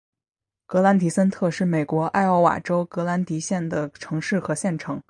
格兰迪森特是美国艾奥瓦州格兰迪县的城市和县城。